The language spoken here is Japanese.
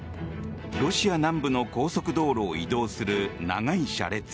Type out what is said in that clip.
ロシア南部の高速道路を移動する長い車列。